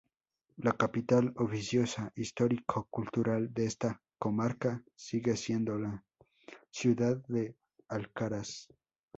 La capital oficiosa histórico-cultural de esta comarca sigue siendo la ciudad de Alcaraz.